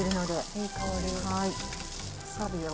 いい香り。